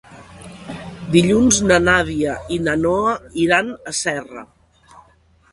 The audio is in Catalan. Dilluns na Nàdia i na Noa iran a Serra.